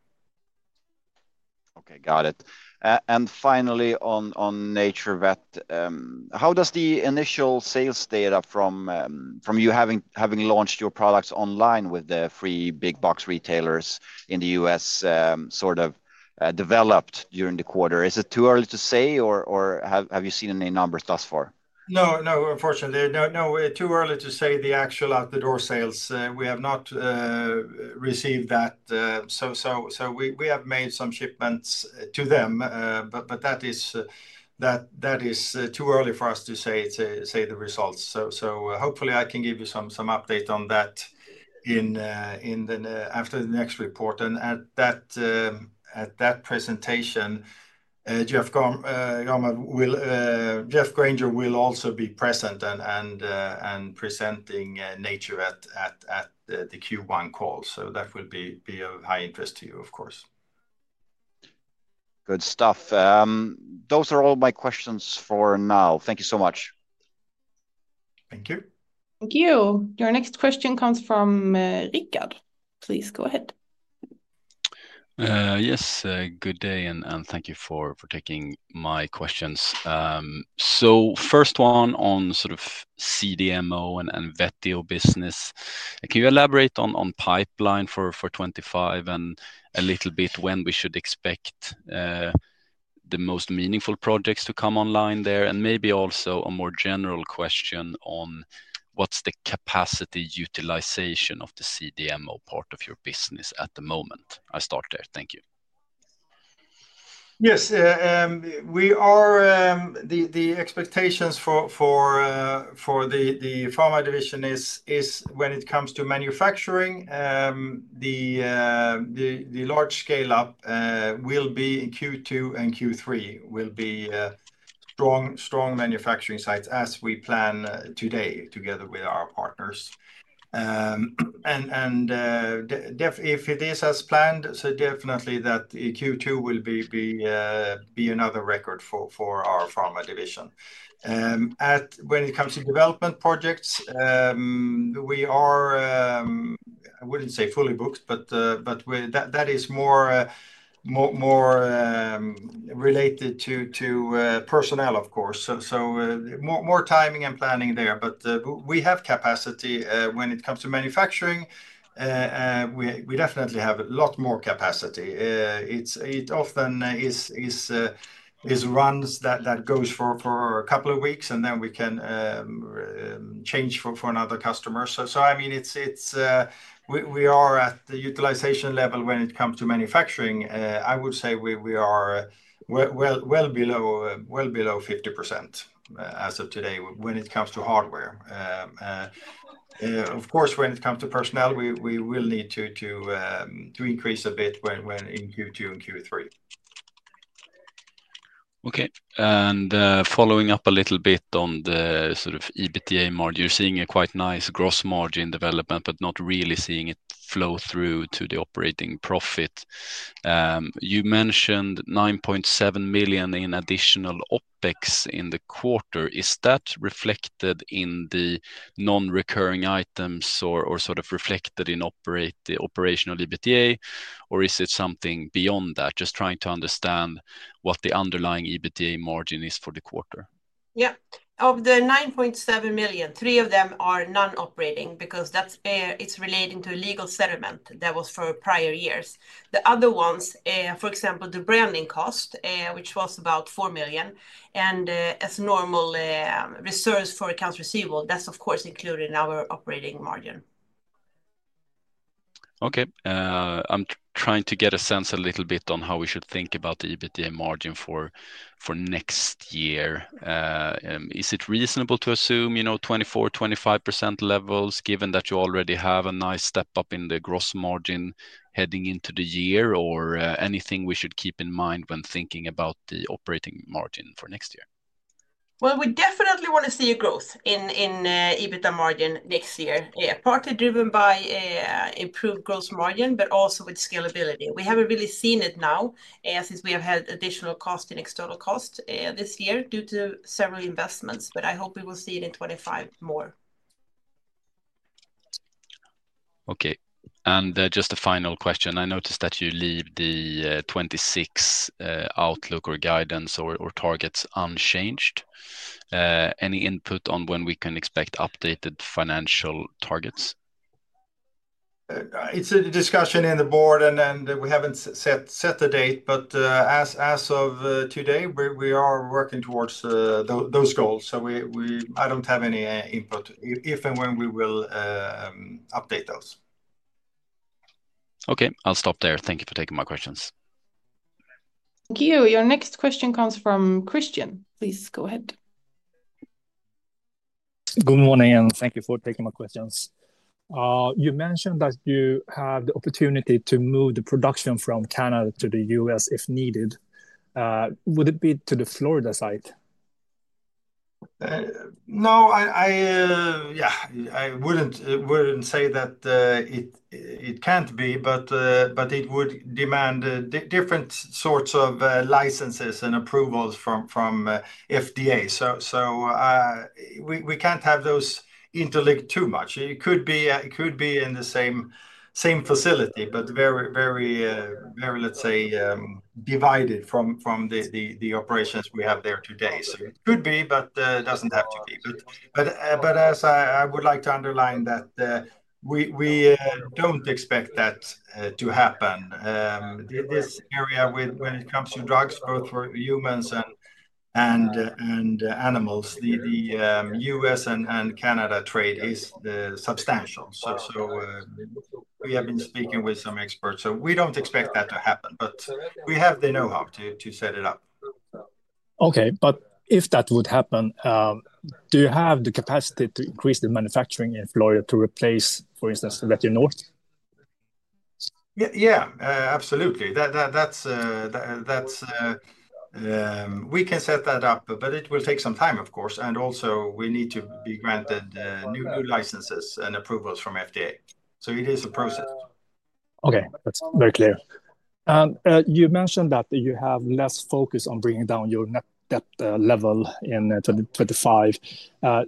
Okay, got it. And finally on NaturVet, how does the initial sales data from you having launched your products online with the three big box retailers in the U.S. sort of developed during the quarter? Is it too early to say or have you seen any numbers thus far? No, no, unfortunately no, too early to say. The actual out the door sales, we have not received that, so we have made some shipments to them, but that is too early for us to say the results, so hopefully I can give you some update on that after the next report and at that presentation. Geoff Granger will also be present and presenting NaturVet at the Q1 call, so that will be of high interest to you, of course. Good stuff. Those are all my questions for now. Thank you so much. Thank you. Thank you. Your next question comes from Rika. Please go ahead. Yes, good day and thank you for taking my questions. So first one on sort of CDMO and Vetio business, can you elaborate on pipeline for 2025 and a little bit when we should expect the most meaningful projects to come online there, and maybe also a more general question on what's the capacity utilization of the CDMO part of your business at the moment. I'll start there. Thank you. Yes, we are. The expectations for the pharma division is when it comes to manufacturing. The large scale up will be in Q2 and Q3 will be strong, strong manufacturing sites as we plan today together with our partners. If it is as planned, so definitely that Q2 will be another record for our pharma division. When it comes to development projects, we are. I wouldn't say fully booked, but that is more, more related to personnel of course, so more timing and planning there. We have capacity when it comes to manufacturing. We definitely have a lot more capacity. It often. Runs, that goes for a couple of weeks and then we can change for another customer. So I mean it's, we are at the utilization level when it comes to manufacturing. I would say we are. Below 50% as of today when it comes to hardware. Of course when it comes to personnel, we will need to increase a bit in Q2 and Q3. Okay, and following up a little bit on the sort of EBITDA margin, you're seeing a quite nice gross margin development, but not really seeing it flow through to the operating profit. You mentioned 9.7 million in additional OpEx in the quarter. Is that reflected in the non-recurring items or sort of reflected in operational EBITDA or is it something beyond that? Just trying to understand what the underlying EBITDA margin is for the quarter. Yeah, of the 9.7 million, three of them are non-operating because they that's it's relating to legal settlement. That was for prior years. The other ones, for example the branding cost which was about 4 million and as normal reserves for accounts receivable, that's of course included in our operating margin. Okay. I'm trying to get a sense a little bit on how we should think about the EBITDA margin for next year. Is it reasonable to assume, you know, 24%-25% levels given that you already have a nice step up in the gross margin heading into the year or anything we should keep in mind when thinking about the operating margin for next year? We definitely want to see a growth in EBITDA margin next year, partly driven by improved gross margin, but also with scalability. We haven't really seen it now since we have had additional cost in external cost this year due to several investments. But I hope we will see it in 2025 more. Okay, and just a final question. I noticed that you leave the 26 outlook or guidance or targets unchanged. Any input on when we can expect updated financial targets? It's a discussion in the board, and we haven't set the date. But as of today, we are working towards those goals. So, we. I don't have any input if and when we will update those. Okay, I'll stop there. Thank you for taking my questions. Thank you. Your next question comes from Christian. Please go ahead. Good morning and thank you for taking my questions. You mentioned that you have the opportunity to move the production from Canada to the U.S. if needed. Would it be to the Florida site? No. I wouldn't say that it can't be, but it would demand different sorts of licenses and approvals from FDA. So we can't have those interlinked too much. It could be in the same facility, but very, very, let's say divided from the operations we have there today. So it could be, but it doesn't have to be. But as I would like to underline that we don't expect that to happen. This area when it comes to drugs, both for humans and animals, the U.S. and Canada trade is substantial. So we have been speaking with some experts. So we don't expect that to happen. But we have the know how to set it up. Okay, but if that would happen, do you have the capacity to increase the manufacturing in Florida to replace for instance Lachine? Yeah, absolutely. That's. We can set that up but it will take some time of course. And also we need to be granted new licenses and approvals from FDA. So it is a process. Okay, that's very clear. You mentioned that you have less focus on bringing down your net debt level in 2025.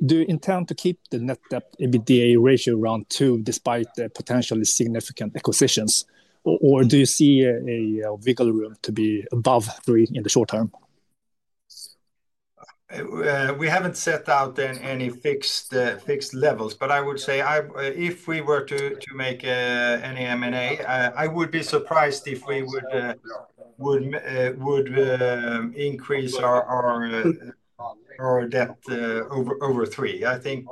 Do you intend to keep the net debt EBITDA ratio around 2% despite the potentially significant acquisitions or do you see a wiggle room to be above 3% in the short term? We haven't set out then any fixed levels, but I would say if we were to make any M&A, I would be surprised if we. Would increase our. Debt over 3%. I think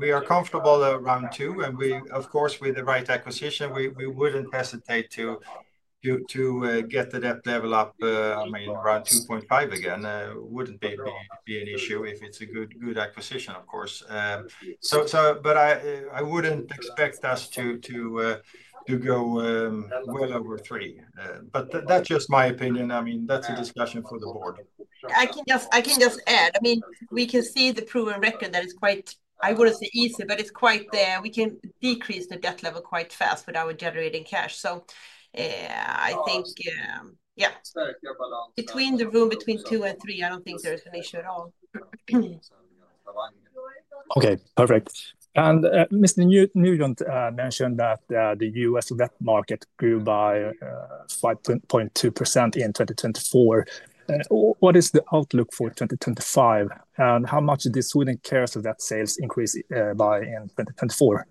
we are comfortable around 2%, and of course with the right acquisition we wouldn't hesitate to get the debt level up. I mean, around 2.5% again wouldn't be an issue if it's a good acquisition, of course. But I wouldn't expect us to go well over 3%, but that's just my opinion. I mean, that's a discussion for the board. I can just add, I mean we can see the proven record. That is quite, I wouldn't say easy, but it's quite there. We can decrease the debt level quite fast with our generating cash. So I think, yeah, between the room between 2% and 3%, I don't think there's an issue at all. Okay, perfect. Mr. Nugent mentioned that the U.S. pet market grew by 5.2% in 2024. What is the outlook for 2025 and how much Swedencare's sales increased by in 2024?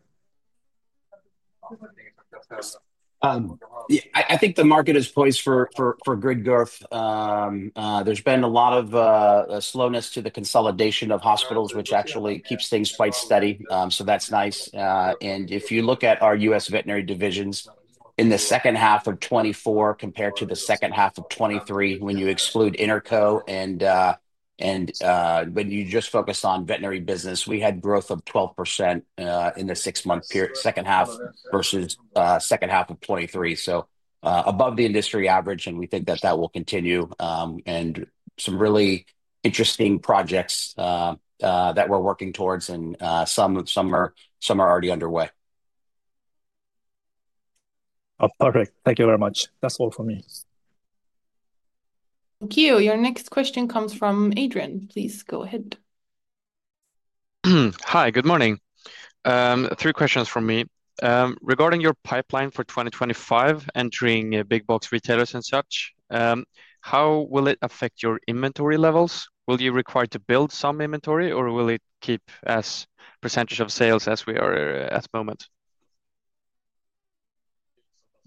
I think the market is poised for growth. There's been a lot of slowdown in the consolidation of hospitals which actually keeps things quite steady. So that's nice. And if you look at our U.S. veterinary divisions in the second half of 2024 compared to second half of 2023 when you exclude interco and. When you just focus on veterinary business, we had growth of 12% in the six-month period second half versus the second half of 2023. So above the industry average. We think that that will continue and some really interesting projects that we're working towards, and some are already underway. Perfect. Thank you very much. That's all for me. Thank you. Your next question comes from Adrian. Please go ahead. Hi, good morning. Three questions from me regarding your pipeline for 2025, entering big box retailers and such. How will it affect your inventory levels? Will you require to build some inventory or will it keep as percentage of sales? As we are at the moment.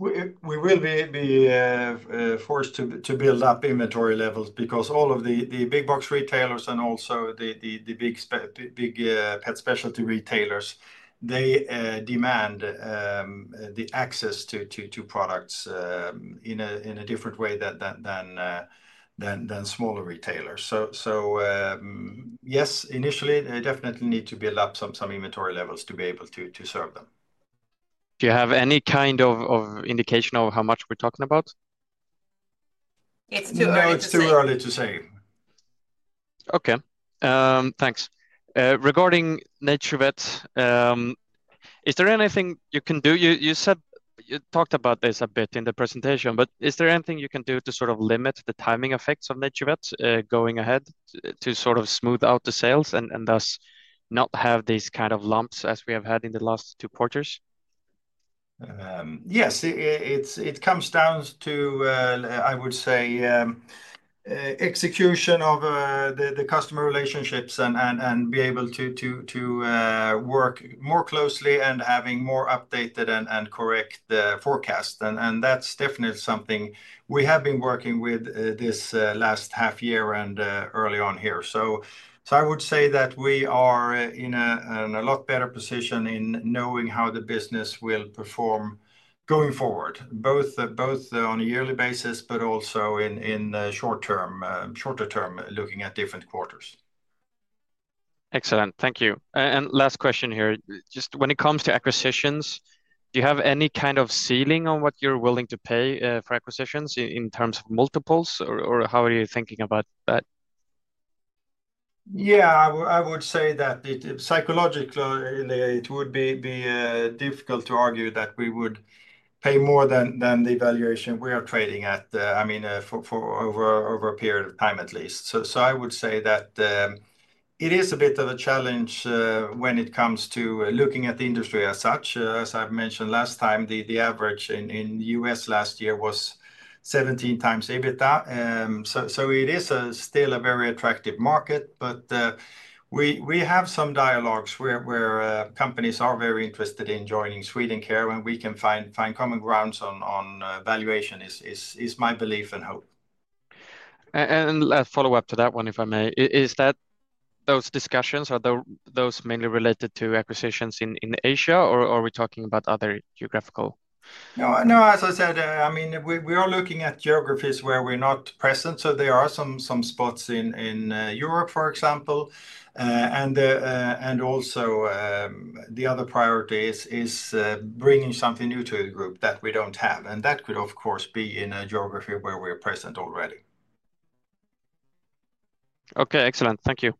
We will be forced to build up inventory levels because all of the big box retailers and also so the big pet specialty retailers, they demand the access to products in a different way than smaller retailers. So yes, initially they definitely need to build up some inventory levels to be able to serve them. Do you have any kind of indication of how much we're talking about? No, it's too early to say. Okay, thanks. Regarding NaturVet, is there anything you can do? You said you talked about this a bit in the presentation, but is there anything you can do to sort of limit the timing effects of NaturVet going ahead to sort of smooth out the sales and thus not have these kind of lumps as we have had in the last two quarters? Yes, it comes down to, I would say, execution of the customer relationships and be able to work more closely and having more updated and correct forecast, and that's definitely something we have been working with this last half year and early on here, so I would say that we are in a lot better position in knowing how the business will perform going forward, both on a yearly basis, but also in shorter term looking at different quarters. Excellent, thank you. And last question here. Just when it comes to acquisitions, do you have any kind of ceiling on what you're willing to pay for acquisitions in terms of multiples or how are you thinking about that? Yeah, I would say that psychologically it would be difficult to argue that we would pay more than the valuation we are trading at. Over a period of time at least. So I would say that it is a bit of a challenge when it comes to looking at the industry as such. As I've mentioned last time, the average in U.S. last year was 17 times EBITDA. So it is still a very attractive market. But we have some dialogues where companies are very interested in joining Swedencare and we can find common grounds on valuation. It is my belief and hope. Follow up to that one, if I may, is that those discussions, are those mainly related to acquisitions in Asia or are we talking about other geographical? No, no, as I said, I mean we are looking at geographies where we're not present, so there are some white spots in Europe, for example. Also, the other priority is bringing something new to the group that we don't have and that could, of course, have in a geography where we're present already. Okay, excellent. Thank you.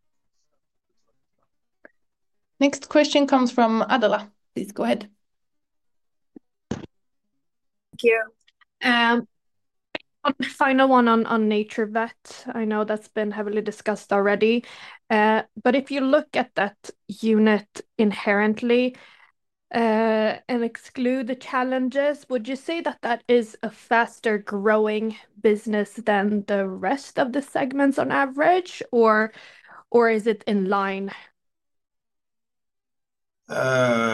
Next question comes from Adela. Please go ahead. Thank you. Final one on NaturVet. I know that's been heavily discussed already, but if you look at that unit inherently. Exclude the challenges, would you say that that is a faster growing business than the rest of the segments on average or is it in line?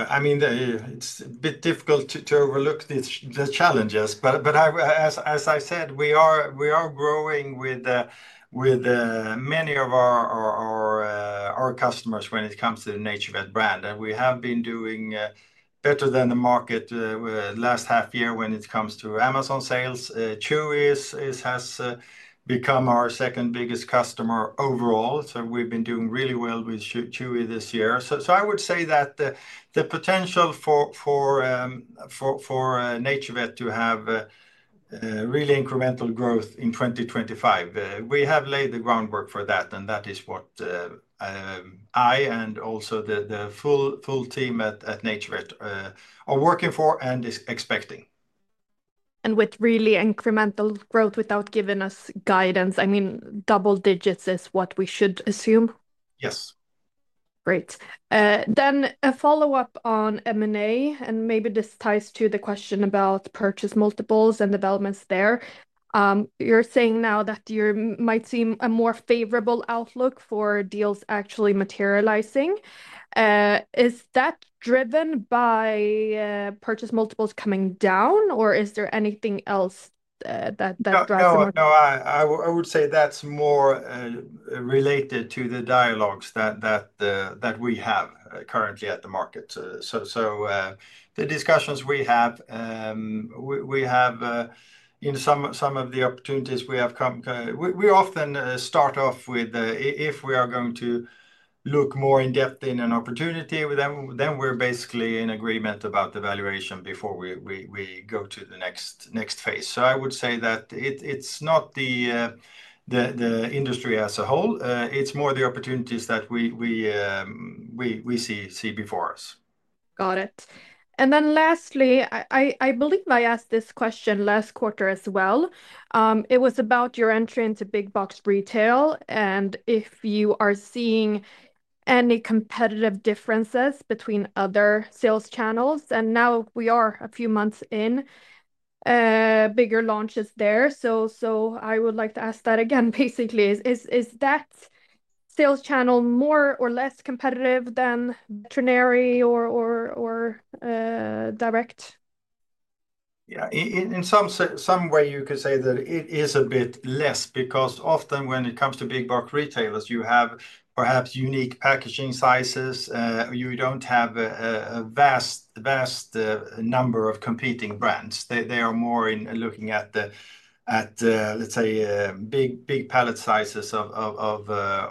I mean it's a bit difficult to overlook the challenges but as I said, we're growing with many of our customers when it comes to the NaturVet brand and we have been doing better than the market last half year when it comes to Amazon sales. Chewy has become our second biggest customer overall. So we've been doing really well with Chewy this year. So I would say that the potential for NaturVet to have really incremental growth in 2025, we have laid the groundwork for that and that is what I and also the full team at NaturVet are working for and expecting. And with really incremental growth without giving us guidance. I mean double digits is what we should assume. Yes. Great. Then a follow up on M&A. And maybe this ties to the question about purchase multiples and developments there. You're saying now that you might see a more favorable outlook for deals actually materializing. Is that driven by purchase multiples coming down or is there anything else that drives down? I would say that's more related to the dialogues that we have currently at the market. So the discussions we have in some of the opportunities we have. We often start off with. If we are going to look more in depth in an opportunity, then we're basically in agreement about the valuation before we go to the next phase. So I would say that it's not the industry as a whole. It's more the opportunities that we. Got it. And then lastly, I believe I asked this question last quarter as well. It was about your entry into big box retail and if you are seeing any competitive differences between other sales channels and now we are a few months in bigger launches there. So I would like to ask that again. Basically, is that sales channel more or less competitive than veterinary or direct? Yeah, in some way you could say that it is a bit less because often when it comes to big box retailers you have perhaps unique packaging sizes. You don't have a vast, vast number of competing brands. They are more in looking at the, at let's say big pallet sizes of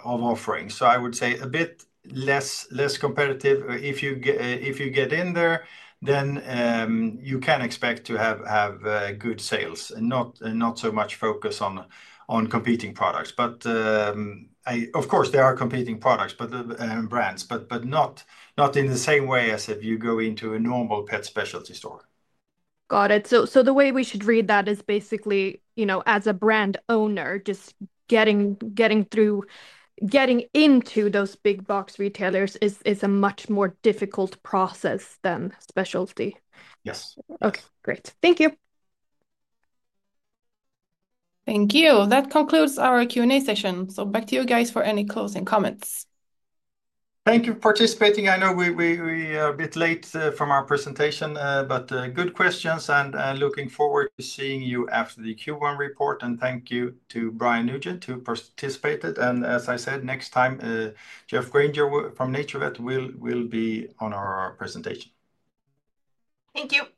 offerings. So I would say a bit less competitive. If you get in there, then you can expect to have good sales and not so much focus on competing products. But of course there are competing products brands but not in the same way as if you go into a normal pet space specialty store. Got it. So, the way we should read that is basically, you know, as a brand owner just getting into those big box retailers is a much more difficult process than specialty. Yes. Okay, great. Thank you. Thank you. That concludes our Q&A session. So back to you guys for any closing comments. Thank you for participating. I know we are a bit late from our presentation but good. Looking forward to seeing you after the Q1 report. Thank you to Brian Nugent who participated and as I said, next time Geoff Granger from NaturVet will be on our presentation. Thank you.